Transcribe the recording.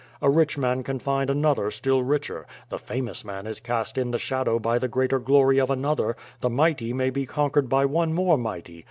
A rich man can find another still richer; the famous man is cast in the shadow by the greater glory of another; the mighty may be conquered by one more mighty.